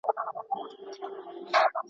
صفوي پاچا ولي ميرويس خان ته اجازه ورکړه؟